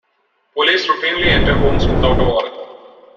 Police routinely enter homes without a warrant.